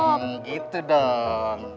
hmm gitu dong